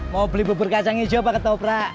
mau beli bubur kacang hijau pak ketoprak